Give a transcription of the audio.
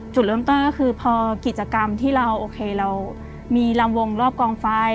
จุดเริ่มต้นก็คือพอกิจกรรมที่เราโอเคเรามีลำวงรอบกองไฟ